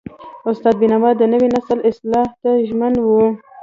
استاد بینوا د نوي نسل اصلاح ته ژمن و.